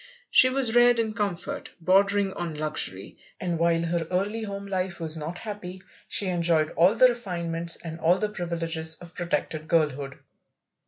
She was reared in comfort, bordering on luxury, and while her early home life was not happy, she enjoyed all the refinements and all the privileges of protected girlhood.